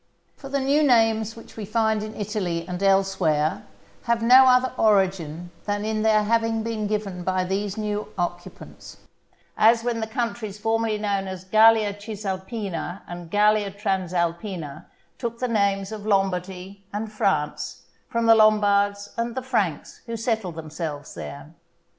For the new names which we find in Italy and elsewhere, have no other origin than in their having been given by these new occupants; as when the countries formerly known as Gallia Cisalpina and Gallia Transalpina took the names of Lombardy and France, from the Lombards and the Franks who settled themselves there.